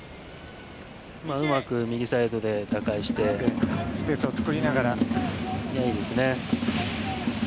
うまく右サイドで打開してスペースを作りながらいいですね。